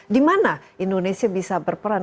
di mana indonesia bisa berperan